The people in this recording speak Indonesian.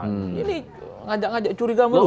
ini ngajak ngajak curiga mereka